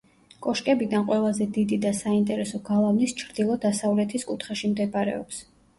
კოშკებიდან ყველაზე დიდი და საინტერესო გალავნის ჩრდილო-დასავლეთის კუთხეში მდებარეობს.